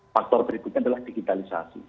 faktor berikutnya adalah digitalisasi